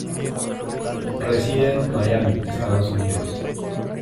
Reside en Miami, Estados Unidos.